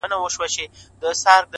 د بریا تخم په نن کې کرل کېږي.!